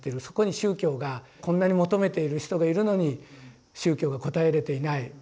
そこに宗教がこんなに求めている人がいるのに宗教が応えれていない。